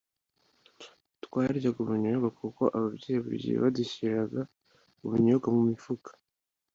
twaryaga ubunyobwa kuko ababyeyi buri gihe badushyiriraga ubunyobwa mu mifuka,